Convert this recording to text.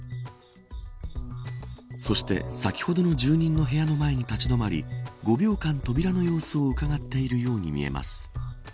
そして、先ほどの住人の部屋の前に立ち止まり５秒間、扉の様子をうかがっているように見えます。